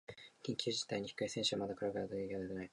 緊急事態に控え選手はまだ体ができあがってない